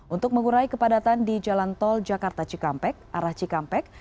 untuk mengurai kepadatan di jalan tol jakarta cikampek arah cikampek